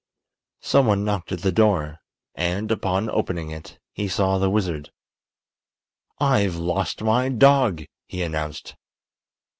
Some one knocked at the door, and, upon opening it, he saw the wizard. "I've lost my dog," he announced.